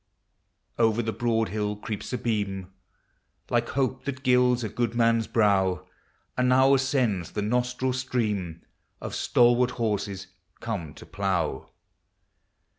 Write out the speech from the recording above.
Over the broad hill creeps a beam, Like hope that gilds a good man's brow; And now ascends the nostril steam Of stalwart horses come to plough.